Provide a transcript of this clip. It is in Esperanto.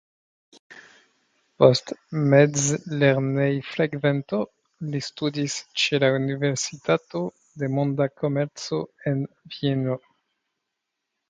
Post mezlernejfrekvento li studis ĉe la Universitato de Monda Komerco en Vieno.